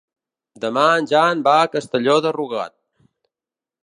Demà en Jan va a Castelló de Rugat.